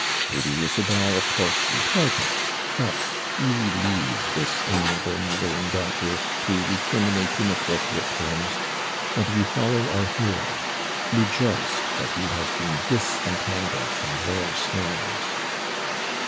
Lady Isabel of course retorted. But we leave this amiable mother and daughter to recriminate in appropriate terms, and we follow our hero, rejoiced that he has been disentangled from their snares.